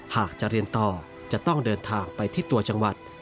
หากจะเรียนต่อจะต้องเดินทางไปที่ตัวจังหวัด